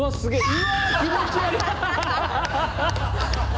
うわ気持ち悪い。